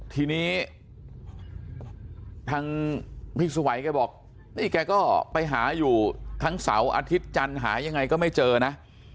ทีนี้ทางพี่สวัยแกบอกนี่แกก็ไปหาอยู่ทั้งเสาร์อาทิตย์จันทร์หายังไงก็ไม่เจอนะ